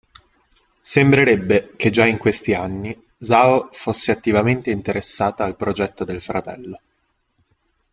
Sembrerebbe che già in questi anni Zhao fosse attivamente interessata al progetto del fratello.